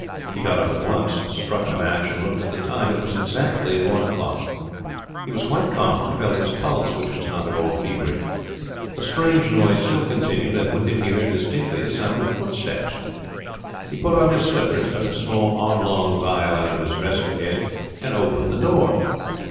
He got up at once, struck a match, and looked at the time. It was exactly one o'clock. He was quite calm, and felt his pulse, which was not at all feverish. The strange noise still continued, and with it he heard distinctly the sound of footsteps. He put on his slippers, took a small oblong phial out of his dressing case, and opened the door.